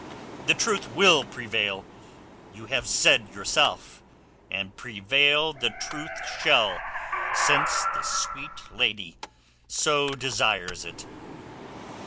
The truth will prevail, you have said yourself; and prevail the truth shall since this sweet lady so desires it."